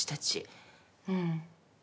うん。